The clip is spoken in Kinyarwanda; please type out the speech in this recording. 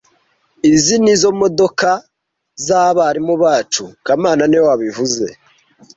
Izi nizo modoka zabarimu bacu kamana niwe wabivuze